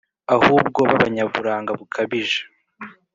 ahubwo b’abanyaburanga bukabije